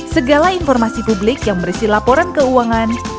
segala informasi publik yang berisi laporan keuangan